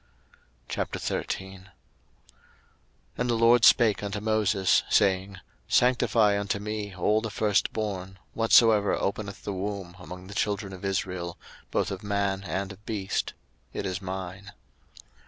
02:013:001 And the LORD spake unto Moses, saying, 02:013:002 Sanctify unto me all the firstborn, whatsoever openeth the womb among the children of Israel, both of man and of beast: it is mine.